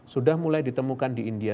sudah mulai ditemukan di india